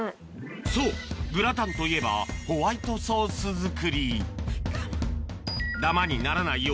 そうグラタンといえばホワイトソース作りダマにならないよ